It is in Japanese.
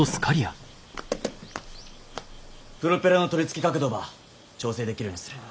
プロペラの取り付け角度ば調整できるようにする。